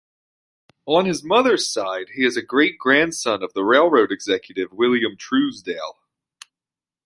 On his mother's side, he is a great-grandson of the railroad executive William Truesdale.